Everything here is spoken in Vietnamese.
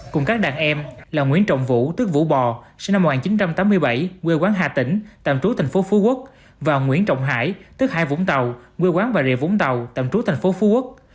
cùng các đàn em là nguyễn trọng vũ tức vũ bò sinh năm một nghìn chín trăm tám mươi bảy quê quán hà tĩnh tạm trú thành phố phú quốc và nguyễn trọng hải tức hai vũng tàu quê quán bà rịa vũng tàu tạm trú thành phố phú quốc